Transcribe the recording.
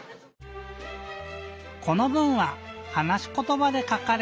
この文は「はなしことば」でかかれています。